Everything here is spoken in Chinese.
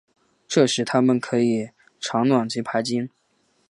这时它们可以产卵及排精。